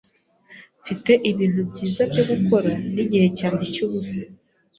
Mfite ibintu byiza byo gukora nigihe cyanjye cyubusa.